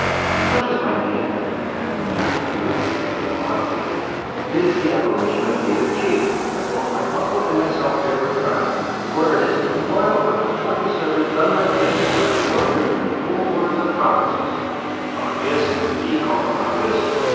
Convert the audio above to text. "Such is my name," returned the youth, a little haughtily. "It is the appellation of a native chief, that both my uncle and myself bear with pride; for it is the memorial of an important service done my family by a warrior in the old wars of the provinces." "Uncas! did ye call him Uncas?"